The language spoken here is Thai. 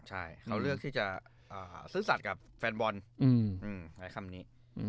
ใช่เขาเลือกที่จะซื่อสัตว์กับแฟนบอลใช้คำนี้